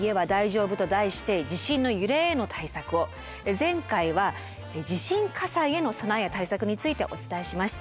前回は地震火災への備えや対策についてお伝えしました。